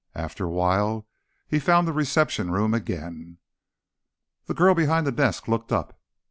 After awhile, he found the reception room again. The girl behind the desk looked up.